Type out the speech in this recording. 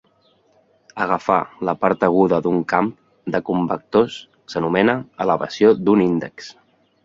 Agafar la part aguda d'un camp de covectors s'anomena "elevació d'un índex".